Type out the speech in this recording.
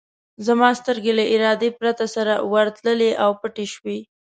زما سترګې له ارادې پرته سره ورتللې او پټې شوې.